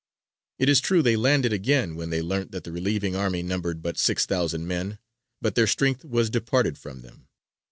It is true they landed again when they learnt that the relieving army numbered but six thousand men; but their strength was departed from them.